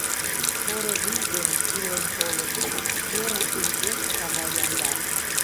Поро вий ден, илен-толын, Йыр лиеш кава яндар.